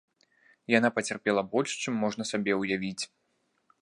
Яна пацярпела больш, чым можна сабе ўявіць.